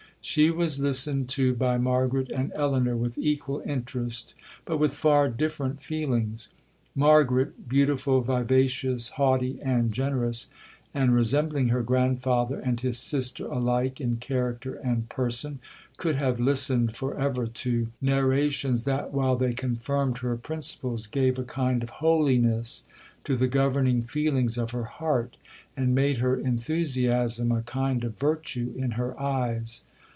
She was listened to by Margaret and Elinor with equal interest, but with far different feelings. Margaret, beautiful, vivacious, haughty, and generous, and resembling her grandfather and his sister alike in character and person, could have listened for ever to narrations that, while they confirmed her principles, gave a kind of holiness to the governing feelings of her heart, and made her enthusiasm a kind of virtue in her eyes.